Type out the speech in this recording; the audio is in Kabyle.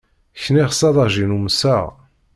Kniɣ s aḍajin umseɣ.